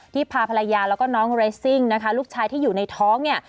พาภรรยาแล้วก็น้องเรสซิ่งนะคะลูกชายที่อยู่ในท้องเนี่ย